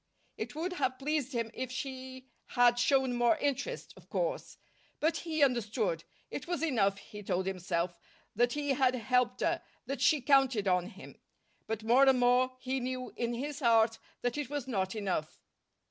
It would have pleased him if she had shown more interest, of course. But he understood. It was enough, he told himself, that he had helped her, that she counted on him. But more and more he knew in his heart that it was not enough.